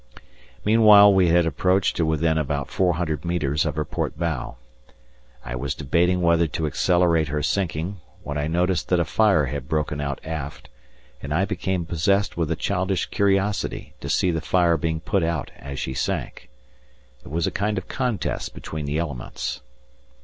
Meanwhile we had approached to within about four hundred metres of her port bow. I was debating whether to accelerate her sinking, when I noticed that a fire had broken out aft, and I became possessed with a childish curiosity to see the fire being put out as she sank. It was a kind of contest between the elements.